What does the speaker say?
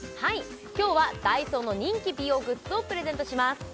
今日はＤＡＩＳＯの人気美容グッズをプレゼントします